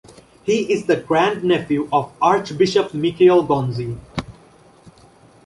He is the grandnephew of Archbishop Mikiel Gonzi.